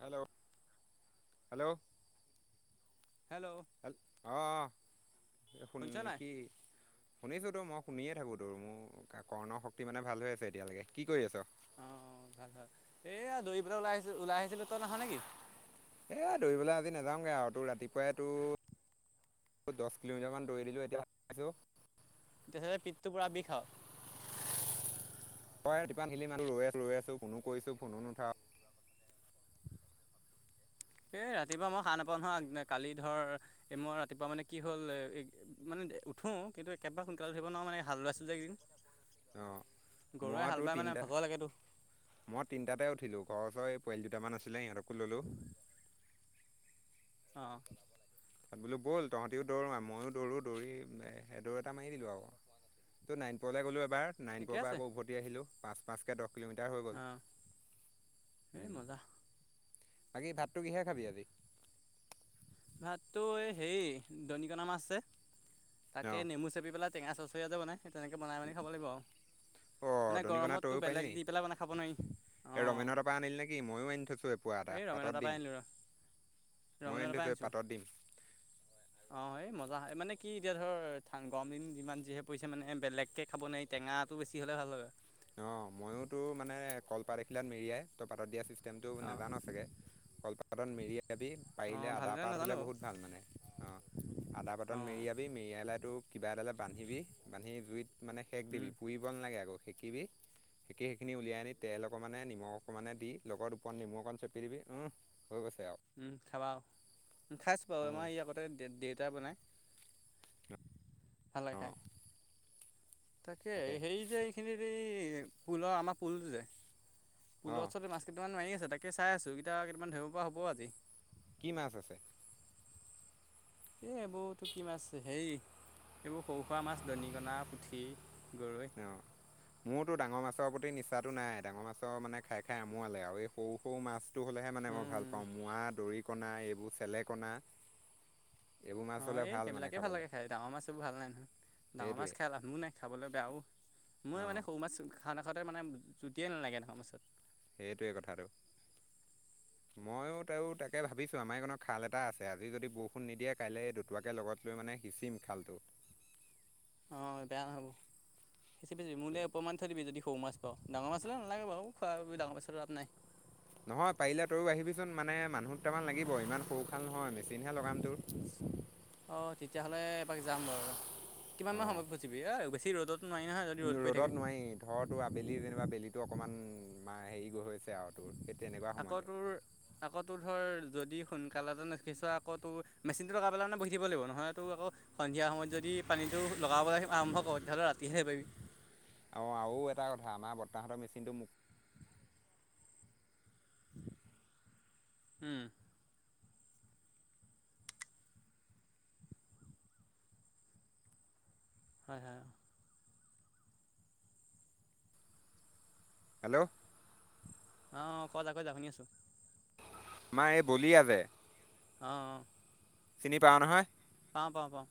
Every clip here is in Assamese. হেল্ল' হেল্ল' হেল্ল' অ', অ', এ শুন শুনিছ নাই কি শুনিছোঁতো মই শুনিয়ে থাকোঁতো মোৰ কৰ্ণৰ শক্তি মানে ভাল হৈ আছে এতিয়ালৈকে, কি কৰি আছ? অ', ভাল ভাল, এইয়া দৌৰি পেলাই ওলাই আহিছো ওলাই আহিছিলো তই নাহ' নেকি? এ দৌৰিবলৈ আজি নাযাওঁগে আৰু তোৰ ৰাতিপুৱাই তোৰ দশ কিলোমিটাৰ মান দৌৰি দিলো এতিয়া [unintelligible] তেখেতে পিতটো পুৰা বিষ আৰু। হয়, তিপান খিলি মানুহ ৰৈ আছো ৰৈ আছোঁ ফোনো কৰিছোঁ ফোনো নুঠাওঁ এ ৰাতিপুৱা মই সাৰ নাপাওঁ নহয়, কালি ধৰ এ মই ৰাতিপুৱা মানে কি হ'ল এ মানে উঠো কিন্তু একবাৰে সোনকালে উঠিব নোৱাৰো মানে হাল বাইছোঁ যে এইকেদিন। অ', মইতো তিনিটা ভাগৰ লাগেতো মই তিনিটাতে উঠিলোঁ ঘৰ এই পোৱালি দুটামান আছিলে সিহঁতকো ললো। অ', তাত বোলো ব'ল তহঁতিও দৌৰ না, ময়ো দৌৰো দৌৰি সেই দৌৰ এটা মাৰি দিলোঁ আৰু। ত' নাৰায়ণপুৰলৈ গলো এবাৰ ঠিকে নাৰায়ণপুৰৰ পৰা আছে আকৌ উভতি আহিলো পাঁচ পাঁচকে দশ কিলোমিটাৰ হৈ গ'ল। অঁ এই মজা বাকী ভাতটো কিহে খাবি আজি? ভাতটো এই হেৰি দনিকনা মাছ আছে তাকে অ', নেমু চেপি পেলাই টেঙা চচ সেই তেনেকৈ বনাই মেলি খাব লাগিব আৰু অ', মানে গৰমততো বেলেগ দি পেলাই মানে খাব নোৱাৰি। এ অঁ ৰমেনৰ তাৰপা আনিলি নেকি, ময়ো আনি থৈছো এপুৱা এটা এই ৰমেনৰ পাতত তাৰপৰা দিম। আনিলোঁ ৰ ময়ো আনি ৰমেনৰ তাৰপৰাই থৈছোঁ আনিছো, পাতত দিম। অ', এ মজা মান মানে কি এতিয়া ধৰ গৰম দিন যিমান যিহে পৰিছে মানে বেলেগকে খাব নোৱাৰি টেঙাটো বেছি হ'লে ভাল হয়। অ', ময়োতো মানে কলপাত এখিলাত মেৰিয়াই তই পাতত দিয়া চিষ্টেমটো অঁ নাজান' চাগে কলপাতত মেৰিয়াবি পাৰিলে অঁ আদা ভালদৰে পাত নাজানো হ'লে বাৰু বহুত ভাল মানে অ', আদা বাটন মেৰিয়াবি মেৰিয়াই লাইতো কিবা এডালে বান্ধিবি বান্ধিনি জুইত মানে সেক দিবি পুৰিব নালাগে আকৌ সেকিবি সেকি সেইখিনি উলিয়াই আনি তেল অকণমানে নিমখ অকণমানে দি লগত ওপৰত নিমু অকণ চেপি দিবি উম, হৈ গৈছে আৰু উম, খাবা আৰু খাইছো বাৰু উম আমাৰ এই আগতে দেউতাই বনাই। ভাল লাগে খায়। অ', তাকে হেৰি যে এইখিনিত এই পুলৰ আমাৰ পুলটো যে অঁ পুলত চব মাছ কেইটামান মাৰি আছে তাকে চাই আছো এইকিতা কেইটামান ধৰিব পৰা হব আজি। কি মাছ আছে? এ এইবোৰতো কি মাছ হেৰি এইবোৰ সৰু সুৰা মাছ দৰিকনা, পুঠি অ', মো ডাঙৰ মাছৰ প্ৰতি নিচাটো নাই, ডাঙৰ মাছৰ মানে খাই খাই আমোৱালে আৰু এই সৰু সৰু মাছ টো হ'লেহে মানে মই ভাল গৰৈ পাওঁ মোৱা দৰিকণা এইবোৰ চেলেকণা এইবোৰ মাছ অ' হ'লে এই মানে সেইবিলাকে ভাল খাবলৈ লাগে খাই, ডাঙৰ মাছো ভাল নাই নহয় ডাঙৰ মাছ সেইটোৱে খাই লাভো নাই। খাবলৈ বেয়াও মই অঁ মানে সৰু মাছ খাওঁ নাখাওঁতে মানে জুতিয়ে নালাগে এনেকা মাছত। সেইটোৱে কথাটো ময়ো তইয়ো তাকে ভাবিছো আমাৰ এইকণত খাল এটা আছে, আজি যদি বৰষুণ নিদিয়ে কাইলে দুতুৱাকে লগত লৈ মানে সিঁচিম খালটো অ', বেয়া নহ'ব, সেচিবি মোলৈ এপোৱামান থৈ দিবি যদি সৰু মাছ অ', ডাঙৰ মাছ হলে নালাগে বাৰু খোৱা ডাঙৰ মাছৰ লাভ নাই। নহয় পাৰিলে তইয়ও আহিবিচোন মানে মানুহ দুটামান লাগিব ইমান সৰু খাল নহয় চিন্হে লগাম তোৰ অঁ তেতিয়াহ'লে যাম বাৰু কিমান মান অঁ সময়ত ফচিবি এ বেছি ৰ'দত ৰ'দত নোৱাৰি ধৰ তো আবেলি যেনিবা বেলিটো অকনমান মা হেৰি গৈছে আৰু তোৰ সেই তেনেকুৱা আকৌ সময়তে তোৰ আকৌ তোৰ ধৰ যদি সোনকালে তো নিসিছোঁৱা আকৌ তোৰ মেচিনটো লগাই পেলাই নে বহি দিব লাগিব নহলেতো আকৌ সন্ধিয়া সময়ত যদি পানী সেইটো লগাবলৈ আৰম্ভ কৰোঁ তেতিয়াহ'লে ৰাতিহেহে পাৰিবি অঁ আৰু এটা কথা আমাৰ বৰ্তাহঁতৰ মেচিনটো মোক উম হয় হয় হেল্ল' অ অ ক' যা কৈ যা শুনি আছো মা এই বল আছে অ চিনি প নহা পা পাওঁ পাওঁ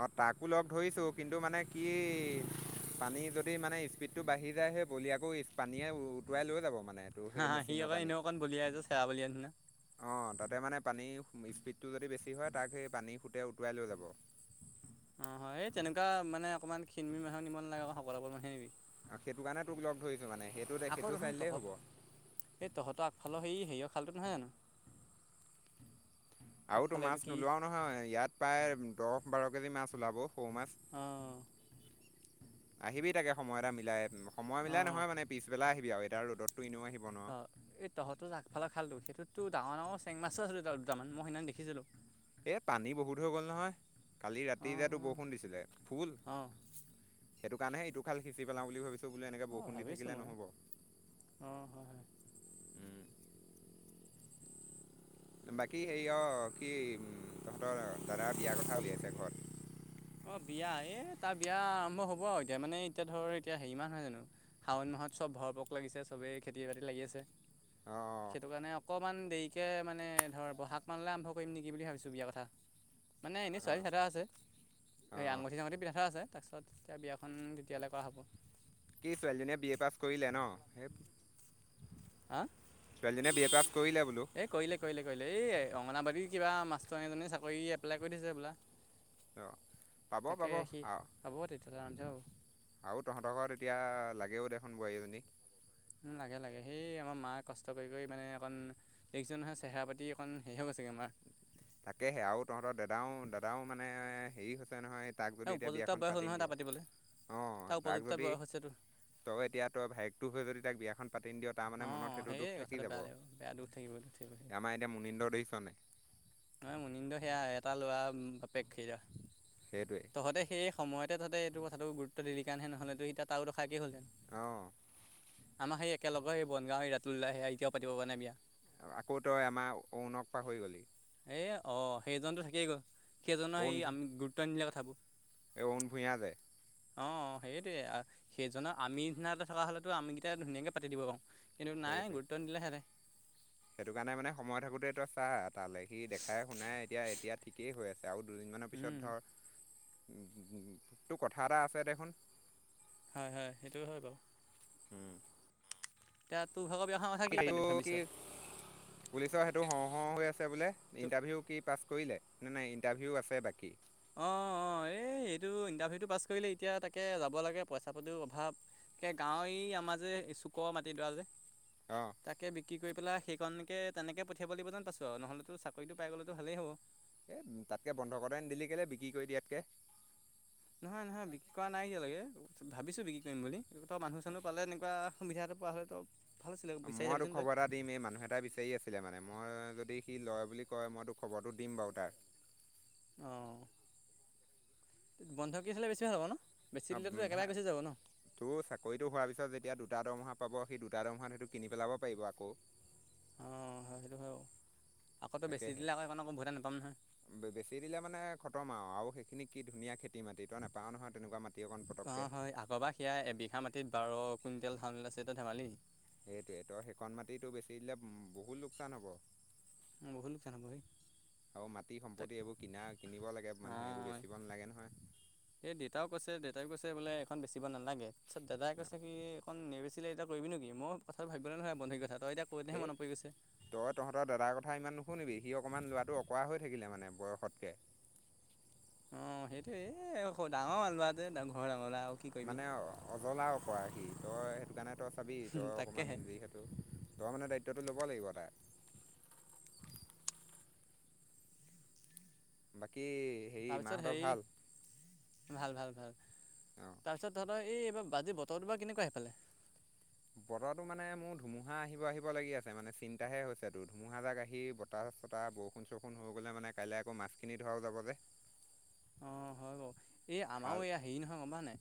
অঁ তাকো লগ ধৰিছোঁ কিন্তু মানে কি পানী যদি মানে স্পীডটো বাঢ়ি যায়হেই কলিয় আাকো পানীয়ে উটুৱাই লৈ যাব মানে টো হা সেই সি মেচিনৰ আকৌ পানী এনেও অকণ বলিয়াই যে চেৰা বলিয়া নিচিনা অঁ তাতে মানে পানী স্পীডটো যদি বেছি হয় তাক সেই পানী খুতে উটুৱাই লৈ যাব অ হয় এই তেনেকুৱা মানে অকনমান খিনমি মানুহ নিব নালাগে সকলোোকৰ মানুহে নিিববি সেইটো কাৰণে তোক লগ ধৰিছোঁ মানে সেইটো সেইটো চাই আকৌন দিলেই হ'ব তহঁত সেই তহঁতৰ আগফালেৰ সেই সেয় খাল্টো নহয় জানো আৰু তো আগফালে এইটো মাছ কি নোলোৱাও নহয় ইয়াত প্ৰায় দহ বাৰ কেজি মাছ ওলাব চৌ মাছ অঁ আহিবি তাকে সময় এটা মিলাই উ সময় মিলাই অঁ নহয় মানে পিছবেলাই আহিবি আৰু এতিয়া ৰ'দততো এনেও আহিব ন অঁ এই তহঁতৰ আগফালৰ খালটো সেইতো ডাঙৰ ডাঙ চেং মাছ আছিল ত দুটামান মই সেইনা দেখিছিলো এ পানী বহুত হৈ গ'ল নহয় কালি ৰাতি অঁ যোতো অঁ বৰষুণ দিছিলে ফুল অঁ সেইটো কাৰণেহে ইটো খাল সিঁচি পেলাও বুলি ভাবিছো বোলে এনেকে অঁ বৰষুণ দি ভাবিছোঁ থাকিলে মই নহব অঁ হয় হয় উম বাকী এই অ কি তহঁতৰ দাদাৰ বিয়াৰ কথা উলিয়াইছে ঘৰত অ বিয়া এ তাৰ বিয়া আৰম্ভ হব আৰু এতিয়া মানে এতিয়া ধৰ এতিয়া হেৰি মাহহয় জানো শাওন মাহ হঁত চব ভৰপক লাগিছে চবেই খেতি বাতি লাগি আছে অ সেইটো কাৰণে অকণমান দেৰিকৈ মানে ধৰ ব'হাগ মাললৈ আৰম্ভ কৰিম নেকি বুলি ভাবিছোঁ বিয়া কথা মানে এনেই অ অ ছোৱালী চটা আছে অ এই আঙঠি চাঙুঠি পিন্া আছে তাৰপিছত তেতিয়া বিয়াখন তেতিয়ালৈ কৰা হ'ব কি ছোৱালীজনীয়ে বি এ পাছ কৰিলে নেই হ পাছ কৰিলে বোলো এ কৰিলে কৰিলে কৰিলে এই অংগনাবাৰী কিবা মাষ্টৰ এ এজ চাকৰি এপ্লাই কৰি দিছে বোলা অ পাব তাকে পাব সি আও হব তেতিয়াহলে য আৰু তহঁতৰ ঘৰত এতিয়া লাগেও দেখোন বোৱাৰী এজনীক উ লাগে লাগে সেই আমাৰ মায়ে কষ্ট কৰি মানে অকণ দেজনহয় চেহেৰা পাতি অকণ সে চিকৈম তাকেহে আৰু তহঁতৰ দাদাও দাদাও মানে হেৰি হৈছে নহয় তাক এই যদি এতিয়া উপযুক্ত বিয়াখন বয়স হ'ল পাতি নি নহয় তাৰ পাতিবলৈ দিয়ক অঁ তাৰ তাক উপযুক্ত যদি বয়স হৈছে তোৰ তই এতিয়া তই ভাইেকতটো হৈ যদি তাক বিয়াখন পাতি নি দিয়ক তাৰমানে অঁ মনত সেইটো সেয়ে দুখ থাকি কথাটো যাব বেয়া লাগিব বেয়া দুখ থাকিব দুখ থাকিব সেই আমাৰ এতিয়া মুনীন্দ্ৰ দছনে ন মুনন্দ সেয়া এটা ল'ৰা বাপেকেই সেইটোৱে তহঁতে সেই সময়তে তহঁতে এইটো কথাটো গুৰুত্ব দিলি কাৰণেহে নহলে তো এতিয়া তাৰো দুফাকে হ'ল আহ ম সেই একেলগেেই বনগাও স ৰাতিতওলাহে এতিয়াওাব প নে বিয়া আকৌ তই আমাৰ অৰুণক পাহৰি গলি এ অ সেইজনতো থাকিয়েই গ' সেইজনৰ সেই আমি গুৰুত্ব নিদিলে কথাবোৰ এ ভূঞাাৰে অ সেইটোৱে সেইজনৰ আমি নিনা এটা থকা হলেতো আমি কেইটা ধুনীয়াকে পাতি দিব পাৰো এনে নাই সেইটোৱে গুতন দিলে হে সেইটো কাৰণে মানে সময় থাকোতে তই চা তালে সি দেখাই শুনাই এতিয়া এতিয়া ঠিকেই হৈ আছে তেওঁ দুদিনমানৰ পিছত ধৰ তোৰ কথা এটা আছে দেখোন। হয় হয় সেইটোয়ে হয় বাৰু উম তাত [unintelligible] অহাৰ কি পাতিম ভাবিছ পুলিচৰ সেইটো হও হও হৈ আছে বোলে তো ইণ্টাৰভিউ কি পাছ কৰিলে না নাই ইণ্টাৰভিউও আছে বাকী অ অ এই এইটো ইণ্টাৰভিউটো পাছ কৰিলে, এতিয়া তাকে যাব লাগে পইচা পাতিৰ অভাৱ কে গাঁৱৰ ই আমাৰ যে চুকৰ মাটিডৰা যে, অ তাকে বিক্ৰী কৰি পেলাই সেইকণকে তেনেকে পঠিয়াব লাগিব যেন পাইছো আৰু নহ'লেটো চাকৰিটো পাই গ'লেতো ভালেই হ'ব। এই তাতকে বন্ধ কৰাই নিদিলি কেলে, বিক্ৰী কৰি দিয়াতকে নহয় নহয় বিক্ৰী কৰা নাই এতিয়ালৈকে ভাবিছো বিক্ৰী কৰিম বুলি তই মানুহ চানুহ পালে এনেকুৱা সুবিধাটো পোৱা হ'লেটো মই তোক খবৰ এটা দিম এই মানুহ এটাই বিচাৰি আছিলে মানে মই যদি সি লয় বুলি কয় মই তোক খবৰটো দিম বাৰু তাৰ অ বন্ধ কি আছিলে বেছি ভাল হ'ব ন বেছি অ দিলেতো ভা একেবাৰে গুচি যাব ন তোৰ চাকৰিতটো হোৱাৰ পিছত যেতিয়া দুটা দৰমহা পাব সেই দুটা দৰমহাত‌ হয়টো কিনি পেলাব পাৰিব আকৌ অ হয় সেইটো হয় বাৰু আকৌ তই বেছি তাকেহে দিলে আকৌ সেইকণ আকৌ উভতাই নাপাম নহয় বে বেছি দিলে মানে খতম আৰু আৰু সেইখিনি কি ধুনীয়া খেতি মাটি তই নাপাওঁ নহয় তেনেকুৱা মাটি অকণ অ পটককৈ হয় আগৰ বাৰ সেয়া এবিঘা মাটিত বাৰ কুইণ্টেল ধান আছে তই ধেমালি নেকি সেইটোৱে তই সেইকণ মাটিতো বেচি দিলে ম বহুত লোকচান হ'ব। বহুত লোকচান হব হেই আৰু মাটি তাক সম্পত্তি এইবোৰ কিনা কিনিব লাগে অ মানুহে এইবোৰ বেচিব নালাগে নহয়। এই দেতাও কৈছে, শদেতাইও কৈছে বোলে এখন বেচিব নালাগে, তাৰছত দাদাই কৈছে কি এইখন নেবেছো ছিলে এতিয়া কৰিবি নেকি মই কথাটো ভাবিবলৈ নহয় বন্ধুই কৈছে এ তই তহঁতৰ দাদাৰ কথা কথা ইমান নুশুনিবি সি অকমান লোৱাটো অকৰা হৈ থাকিলে মানে বয়সতকে অ সেইটোৱে এ স ডাঙৰ মাল ল'ৰাটো ঘৰৰ ডাঙৰ ল'ৰা আৰু কি কৰিবি মানে অজলা অকৰা সি তই সেইটো কাৰণে তই চাবি তই অকণমান তাকেহে যিহেতু তই মানে দায়িত্ব দায়িত্ব লব লাগিব তাৰ। বাকী হেৰি তাৰপিছত মাহঁতৰ হেৰি ভাল ভাল ভাল ভাল অঁ তাৰ পিছত ধৰ এই এইবাৰ আজি বতৰটো বাৰু কেনেকুৱা সেইফালে বতৰটো মানে মোৰ ধুমুহা আহিব আহিব লাগি আছে মানে চিন্তাহে হৈছে তোৰ ধুমুহা জাক আহি বতাহ তাৰপাছত আৰু বৰষুণ চৰষুণ হৈ গ'লে মানে কাইলৈ আকৌ মাছখিনি ধৰাও যাব যে অ হয় বাৰু এই আমাৰো খাল এয়া হেৰি নহয় গম পাওঁ নে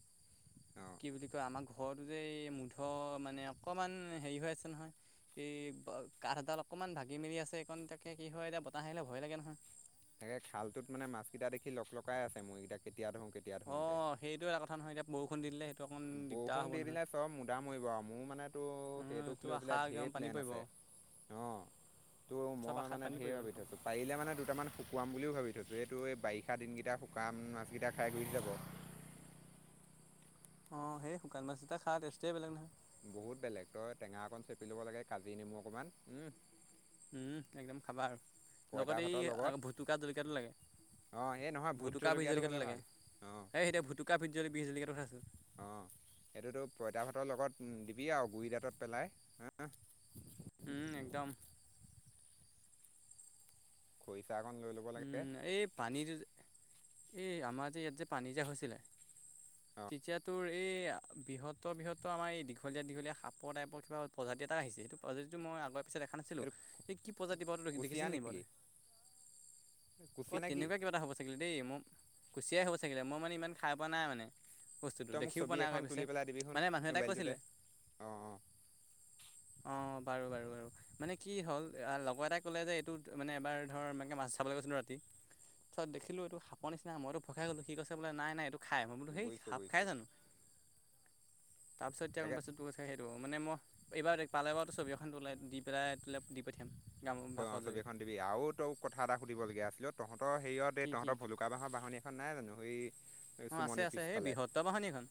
অঁ কি বুলি কয় আমাৰ ঘৰত যে এই মূধ মানে অকণমান হেৰি হৈ আছে নহয়, এই বা কাঠ এডাল অকণমান ভাগি মেলি আছে এইকণ তাকে কি হয়, এতিয়া বতাহ আহিলে ভয় লাগে নহয়। তাকে খালটোত মানে মাছ কেইটা দেখি লক লকাই আছে মৰিকেইটাই তেতিয়া ধৰো কেতিয়া ধৰোকে অঁ সেইটো এটা কথা নহয় এতিয়া বৰষুণ দি দিলে সেইটো অকণ দিগদাৰ বৰষুণ হ'ব দি নহয় দিলে চব মুধা মৰিব আৰু মোৰ মানেতো সেইটোক এইটো লৈ আশা পেলাই একদম ঢেৰ পানী প্লেন পৰিব আছে। অ তো চব মই আশাত মানে পানী ঢেৰ পৰিব ভাবি দেখোন থৈছোঁ পাৰিলে মানে দুটামান শুকুৱাম বুলিও ভাবি থৈছোঁ। যিহেতু এই বাৰিষা দিনকেইটা শুকান মাছ কেইটা খাই গুৰিত যাব। অ সেই শুকান মাছ এটা খা তেষ্টয়েই বেলেগ নহয় বহুত বেলেগ তই টেঙা অকণ চেপি ল'ব লাগে, কাজি নেমু অকণমান উহ উম একদম খাবা আৰু লগতে এই ভাতৰ আ লগত ভুটুকা জলকীয়াটো লাগে অঁ এই নহয় ভোট ভুতুকা বিজ জলকীয়াটো হ'লে লাগে, ভাল অঁ এই সেইতিয়া ভুতুকা ভূত জলকীয়াটো বিজিলীঘাটতহে আছে। অঁ এইটোতো পঁইতা ভাতৰ লগত দিবি আৰু গুৰি দাঁতত পেলাই হা উম একদম খৰিচা অকণ লৈ ল'ব লাগে এই পানীটো এই আমাৰ যে ইয়াত যে পানীজা হৈছিলে তেতিয়া তোৰ এই বৃহত্তৰ বৃহতৰ আমাৰ এই দীঘলীয়া দীঘলীয়া সাপৰ টাইপৰ কিবা প্ৰজাতি এটা আহিছে এইেইটো প্ৰজাতিটো মই আগত পিা দেখা নাছিলোঁ এইটো সেই কি প্ৰজাতি ব কুচিয়া দেখিছিল নি নেকি মাৰুে কুচিয়া অ নে কি তেনেকুৱা কিবা এটা হ'ব চাগে দেই মোৰ কুচিয়াই হ'ব চাগিলে মই মানে ইমান খাই পোৱা নাই মানে বস্তুটো তই মোক দেখিও পোৱা ছবি নাই এখন আগৰে পিছে তুলি পেলাই দিবিহোন মানে মানুহ এটাই মোবাইলটোতে কৈছিলে অঁ অঁ [inaudible] অঁ বাৰু বাৰু বাৰু মানে কি হ'ল লগৰ এটা ক'লে যে এইটোত মানে এবাৰ ধৰ মে মাছ চাবলৈ কৈছে ত পিছত দেখিলো এইটো সাপৰ নিচিনা মইতো ভকাই গলো সিৈছে বোলে নাই নাই এইটো খাই মই বোলো সেই বুজিছোঁ হাপ খাই বুজিছোঁ জানো তাৰ পিছততিক তাকে পাছতটো কথা খাই ৰ মানে মই এইবাৰ পালে বাৰতো ছবি এখন ওলাই দি পেলাইোাই দি পঠিয়াম গাম অ ভাষাৰ ছবি জৰিয়তে এখন দিবি আৰু তই কথা এটা সুধিবলগীয়া আছিলত তহতৰ হেৰিয়ত এই কি কি তহঁতৰ ভলুকা বাঁাহৰ বাহনি এখন নাই জানো সেই অঁ আছে চুমনি আছে এই পিছফালে বৃহত্তৰ বাহনি এখন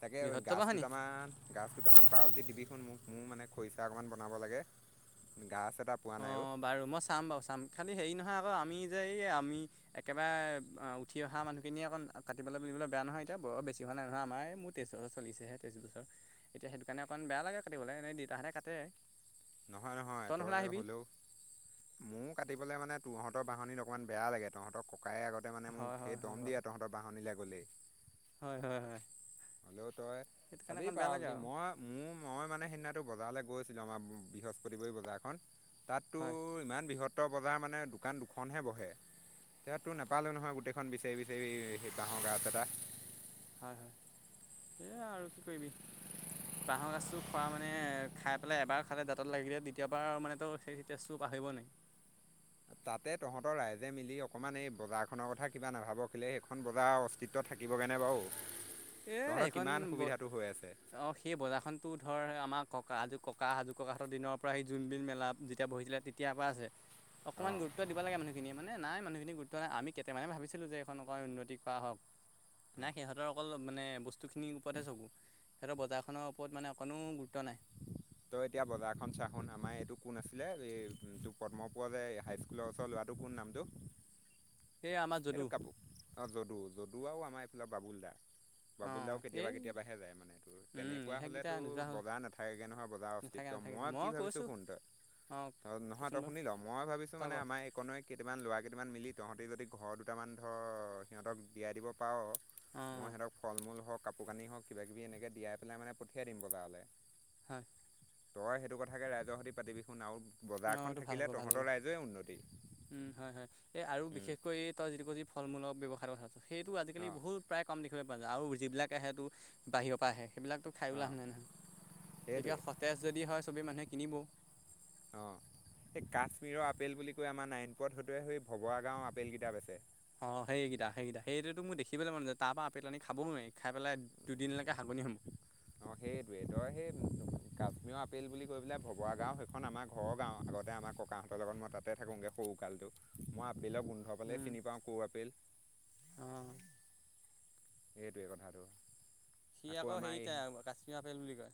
তাকে বৃহত্তৰ গাছ বাহনি দুটামান গাছ দুটামান পাাৱ যদি দিবিখনোন মোক মোৰ মানে খৰিচা অকণমান বনাব লাগে গাছ এটা পোৱা অ নাই বাৰু মই চাম বাৰু চাম খালি হেৰি নহয় অঁ আমি যে এই আমি একেবাৰে উঠি অহা মানুহখিনিয়ে অকণ কাটিবলৈ বুলিবলৈ বেয়া নহয় এতিয়া বৰ বেছি হোৱা নহ আম মোৰ তেইছৰ চলিছেহে তেইছ এতি সেইটো কাৰণে অকণ বেয়া লাগোটিবলৈ এনে দিইা এনেেতে নহয় নহয় এটই হলেও মোৰ কাটিবলৈ মানে তহঁতৰ বাহনিত অকনমান বেয়া লাগে তহঁতক ক থকাই আগতে মানে হয় হয় মোক েই হয় দম দিয়ে বাৰু তহঁতৰ বাহনিলাই গ'লে হয় হয় হয় হ্ল' তই সেইটো কাৰণে চাবি অকণ বেয়া পাৰ লাগে আপনি আৰু মই মোৰ মই মানে সেইদিনা বজাৰলৈ গৈছিলোঁ আমাৰ বৃহস্পতিবাৰ বজাৰখন তাততো হয় ইমান বৃহ সত বজাৰ মানে দোকান দুখনহে বহে এতি তো নাপালো নহয় গোটেইখন বিচাৰি বিচাৰি সেই বাঁহৰ গাছ এটা হয় হয় এই আৰু কি কৰিবি বাঁাহৰ গছটো খোৱা মানে খাই পেলাই এবাৰ খালে দাঁত লাগিলে দ্বীয়াৰ মানে ত আহিব নেকি [inaudible] তাতে তহঁতৰ ৰাইজে মিলি অকমান এই বজাৰখনৰ কথা কিবা নাভাব খিলে সেইখন বজাৰ অস্তিত্ব থাকে থাকিবগৈনে বাৰু এ তহঁতৰ সেইখন কিমান সুবিধাটো হৈ আছে অ সেই বজাৰখনতো ধৰ আমাক ককাজ ককা সাজু ককাহঁতৰ দিনৰ পৰা সি যোনবিল মেলা যেতিয়া বহিছিলে তেতিয়াৰ পৰা আছে অকমান অঁ গুৰুত্ব দিব লাগে মানহখিনিয়োনে নাই মানুহখিনি গুৰুত্ব নাই আমি কেইটামানে ভাবিছিলো যে এইেইখনক উন্নতি কৰা হওক না সিহঁতৰ অকল মানে বস্তুখিনিৰ ওপৰতহে চকোঁ সিহঁতৰ বজাৰখনৰ ওপৰত মানে অকণো গুৰুত্ব নাই তই এতিয়া বজাৰখন চ শুন আমাৰ এইটো কোন আছিলে এটো পদ্মপুৰ যে হাইস্কুলৰ ওচৰ ল'ৰা আৰুটো কোন নামটো এই আমাৰ এইটো যদু কাপোৰ অ যদু যদু আৰু আমাৰ এইফালে বাবুল দা বাবুল অঁ দাও কেতিয়াবা এই কেতিয়াবাহে যায় মানে এইোৰ তেনেকুৱা সেইকেইটা হলেতো নোযোৱা হ'ল। বজাৰ নাথাকেগে নহয় বজাৰ নাথাকে অস্তিত্ব নাথাকে মই কি ভাবিছো কৈছোঁ ফোন তই অঁ ত নহয় কচোন তই বাৰু শুনি ল মই ক ভাবিছো মানে ক। আমাৰ এককনে কেইটামান ল কেইটামান মিলি তহঁতি যদি ঘৰ দুটামান ধৰ সিহঁতক দিয়াই দিব পাৰ অঁ মই সিহঁতক ফল মূল হক কাপোৰ কানি হওক কিব কিবি এনেকে দিয়াই পেলাই মানে পঠিয়াই দিম বজাৰলৈ হয় তই সেইটো কথাকে ৰাইজৰ সৈতেতিাতিবি শুোন আৰু অঁ এইটো বজাৰখন ভাল হ'ব থাকিলে ভাল হ'ব তহঁতৰ ৰাইজয়ে উন্নতি উম, হয়-হয় এ, আৰু বিশেষকৈ এ, তই যিটো ক'লি ফল মূলৰ ব্যৱহাসায় [inaudible] সেইটো আজিকালি অঁ বহুত প্ৰায় কম দেখিবলৈ পোৱা যায়, আৰু যিবিলাক আহে টো বাহিৰপা আহে। সেইবিলাকতো খায়ো অঁ লাভ নাই ন। এতিয়া সেইটোৱে সতেজ যদি হয় চবে মানুহে কিনিবও অ', এই কাশ্মীৰৰ আপেল বুলি কৈ আমাৰ নাৰায়ণপুৰত সটোৱে সৈ অ', সেইকেইটা-সেইকেইটা সেইটোৱেতো মোৰ দেখি খিবলে মন নাযায়, তাৰ পৰা আপেল আনি খাবও নোৱাৰি, খাই পেলাই দুদিলৈকে হাগনি হ'ম অ', সেইটোৱেই তই সেই কাশ্মীৰৰ আপেল বুলি কৈ পেলাই ভবৱা গাও সেইখন আমাৰ ঘৰৰ গাঁও আগতে আমাৰ ককাহঁতৰ লগত মই তাতে থাকোঁগে সৰুকালটো, মই আপেলৰ গোন্ধ পালেই উম চিনি পাওঁ ক'ৰ আপেল। অঁ [unintelligible] এইটোৱে কথাটো। সি আকৌ আমাৰ এই হেৰিতাই, কাশ্মীৰৰ আপেল বুলি কয়।